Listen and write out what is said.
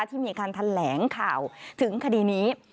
ที่มีการแถลงข่าวถึงคดีนี้